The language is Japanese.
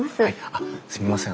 あっすみません